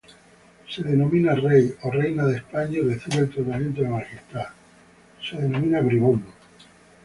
Se denomina rey o reina de España y recibe el tratamiento de majestad.